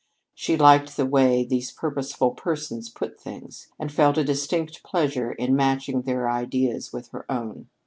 She liked the way these purposeful persons put things, and felt a distinct pleasure in matching their ideas with her own.